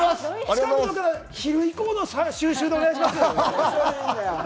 昼以降の収集でお願いします。